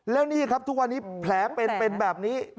แล้วนี่ครับทุกวันนี้แผลเป็นเป็นแบบนี้